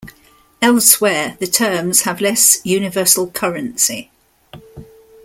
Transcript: Elsewhere, the terms have less universal currency.